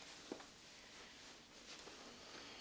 maaf bu pak imam sudah datang